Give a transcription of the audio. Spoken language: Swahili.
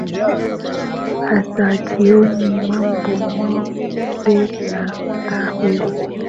aah za jioni mambo nyome labda wewe